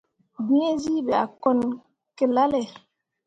Gǝǝzyii ɓe a kone ki lalle.